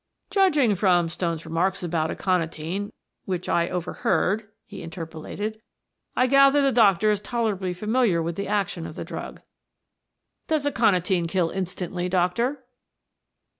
"Judging from Stone's remarks about aconitine which I overheard," he interpolated. "I gather the doctor is tolerably familiar with the action of the drug. Does aconitine kill instantly, doctor?"